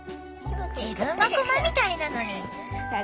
自分が熊みたいなのに！